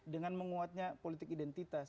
dengan menguatnya politik identitas